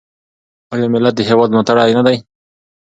آیا ملت د هیواد ملاتړی نه دی؟